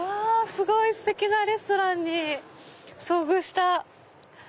すごいステキなレストランに遭遇した。